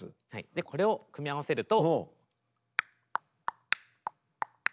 でこれを組み合わせると。